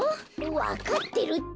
わかってるって！